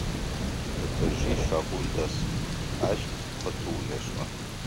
Тэтэжъи щагум дэс, ащ хъытыу ешӏы.